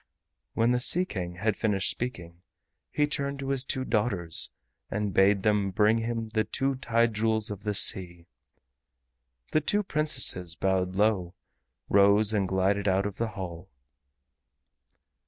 When the Sea King had finished speaking he turned to his two daughters and bade them bring him the two Tide Jewels of the Sea. The two Princesses bowed low, rose and glided out of the hall.